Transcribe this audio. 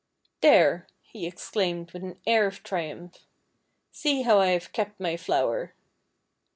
"There," he exclaimed with an air of triumph, "see how I have kept my flower."